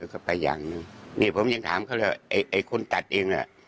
ก็ไปอย่างหนึ่งนี่ผมยังถามเขาเลยไอ้ไอ้คนตัดเองน่ะ